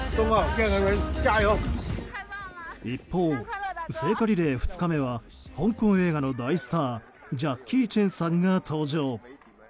一方、聖火リレー２日目は香港映画の大スタージャッキー・チェンさんが登場。